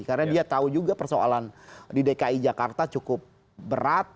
karena dia tahu juga persoalan di dki jakarta cukup berat